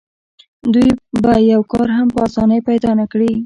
دوی به یو کار هم په اسانۍ پیدا نه کړي